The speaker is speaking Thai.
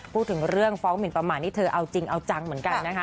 พูดถึงเรื่องฟ้องหมินประมาทนี่เธอเอาจริงเอาจังเหมือนกันนะคะ